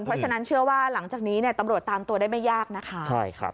เพราะฉะนั้นเชื่อว่าหลังจากนี้ตำรวจตามตัวได้ไม่ยากนะคะ